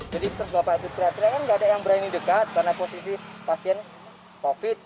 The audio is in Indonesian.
jadi terus bapak itu kira kira kan gak ada yang berani dekat karena posisi pasien covid